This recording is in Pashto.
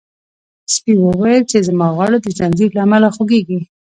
سپي وویل چې زما غاړه د زنځیر له امله خوږیږي.